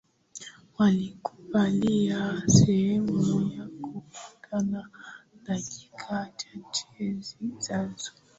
Walikubaliana sehemu ya kukutana dakika chache zijazo